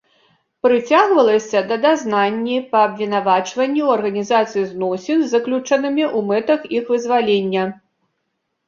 Прыцягвалася да дазнанні па абвінавачванні ў арганізацыі зносін з заключанымі ў мэтах іх вызвалення.